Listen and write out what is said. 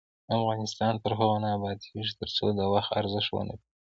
افغانستان تر هغو نه ابادیږي، ترڅو د وخت ارزښت ونه پیژنو.